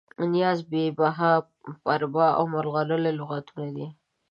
نیاز، بې بها، برپا او ملغلره لغتونه دي.